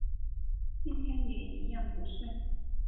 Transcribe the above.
今天也一样不顺